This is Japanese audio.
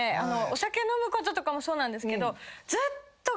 お酒飲むこととかもそうなんですけどずっと。